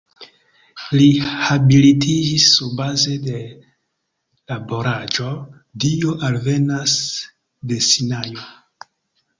Li habilitiĝis surbaze de laboraĵo "Dio alvenas de Sinajo.